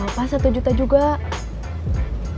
terima kasih ber edition yang harusnya aku embora